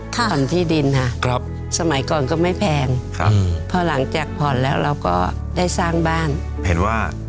ผ่อนที่ดินค่ะครับสมัยก่อนก็ไม่แพงครับพอหลังจากผ่อนแล้วเราก็ได้สร้างบ้านเห็นว่า